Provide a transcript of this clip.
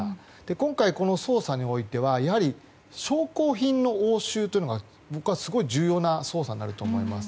今回、捜査においてはやはり証拠品の押収というのがすごい重要な捜査になると思います。